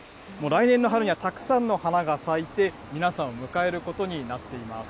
来年の春にはたくさんの花が咲いて、皆さんを迎えることになっています。